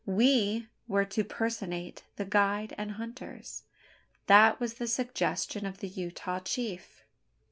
We were to personate the guide and hunters. That was the suggestion of the Utah chief!